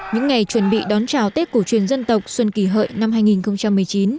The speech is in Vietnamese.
những ngày chuẩn bị đón chào tết cổ truyền dân tộc xuân kỷ hợi năm hai nghìn một mươi chín